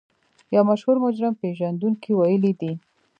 يو مشهور مجرم پېژندونکي ويلي دي.